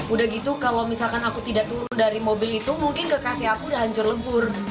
udah gitu kalau misalkan aku tidak turun dari mobil itu mungkin kekasih aku udah hancur lebur